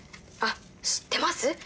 あっ知ってます？